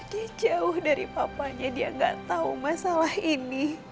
dia jauh dari papanya dia nggak tahu masalah ini